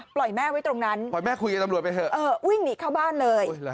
แม่ไว้ตรงนั้นปล่อยแม่คุยกับตำรวจไปเถอะวิ่งหนีเข้าบ้านเลย